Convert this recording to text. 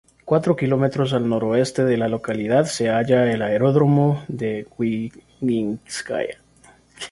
Cuatro kilómetros al noroeste de la localidad se halla el aeródromo de Guiaguínskaya.